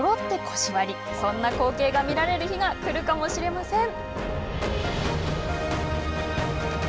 こんな光景が見られる日が来るかもしれません。